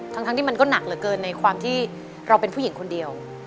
ทั้งที่มันก็หนักเหลือเกินในความที่เราเป็นผู้หญิงคนเดียว